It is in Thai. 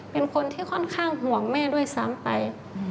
เป็นคนที่ค่อนข้างห่วงแม่ด้วยซ้ำไป